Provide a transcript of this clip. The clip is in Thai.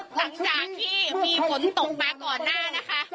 หลังจากที่มีฝนตกมาก่อนหน้านะคะ